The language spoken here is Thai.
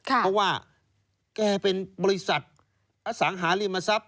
เพราะว่าแกเป็นบริษัทอสังหาริมทรัพย